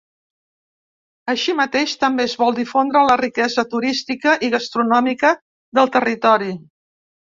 Així mateix, també es vol difondre la riquesa turística i gastronòmica del territori.